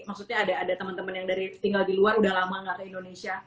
maksudnya ada temen temen yang tinggal di luar udah lama nggak ke indonesia